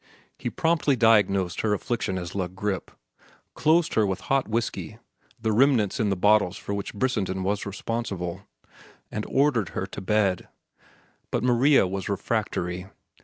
He promptly diagnosed her affliction as La Grippe, dosed her with hot whiskey (the remnants in the bottles for which Brissenden was responsible), and ordered her to bed. But Maria was refractory.